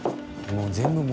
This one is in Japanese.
もう全部。